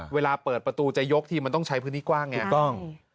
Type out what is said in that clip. เวลาเปิดประตูจะยกทีมันต้องใช้พื้นที่กว้าง